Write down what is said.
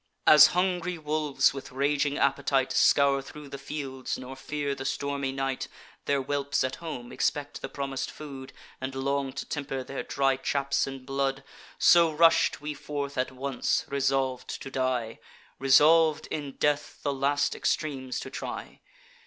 "As hungry wolves, with raging appetite, Scour thro' the fields, nor fear the stormy night; Their whelps at home expect the promis'd food, And long to temper their dry chaps in blood: So rush'd we forth at once; resolv'd to die, Resolv'd, in death, the last extremes to try.